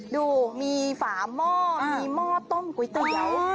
ดูมีฝาหม้อมีหม้อต้มก๋วยเตี๋ยว